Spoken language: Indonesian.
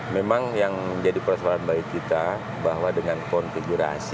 memang yang menjadi persoalan baik kita bahwa dengan konfigurasi